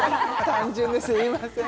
単純ですいません